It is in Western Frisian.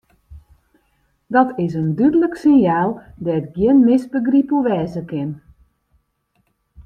Dat is in dúdlik sinjaal dêr't gjin misbegryp oer wêze kin.